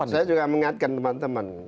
saya juga mengingatkan teman teman